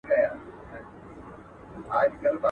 روڼي سترګي کرۍ شپه په شان د غله وي.